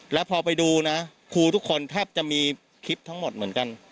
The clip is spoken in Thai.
แล้วพอไปดูนะครูทุกคนแทบจะมีคลิปทั้งหมดเหมือนกัน